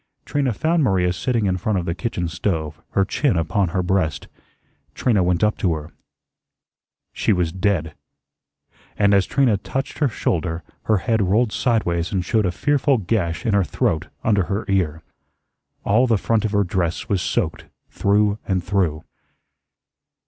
Trina found Maria sitting in front of the kitchen stove, her chin upon her breast. Trina went up to her. She was dead. And as Trina touched her shoulder, her head rolled sideways and showed a fearful gash in her throat under her ear. All the front of her dress was soaked through and through.